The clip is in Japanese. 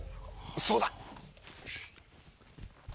そうだ！